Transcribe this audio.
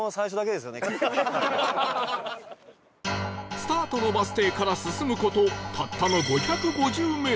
スタートのバス停から進む事たったの５５０メートル